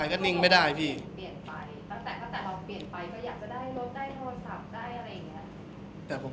คุกกรณีฝั่งแพทย์เหรอคะเขาพูด